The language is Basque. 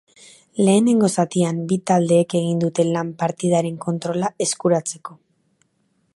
Lehenengo zatian, bi taldeek egin dute lan partidaren kontrola eskuratzeko.